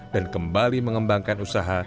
dan kembali mengembangkan usaha